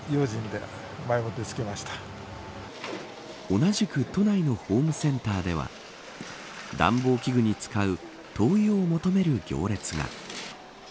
同じく都内のホームセンターでは暖房器具に使う灯油を求める行列が。